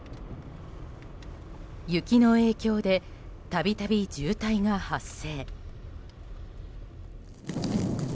雪の影響で度々、渋滞が発生。